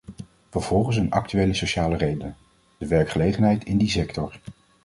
Vervolgens een actuele sociale reden: de werkgelegenheid in die sector.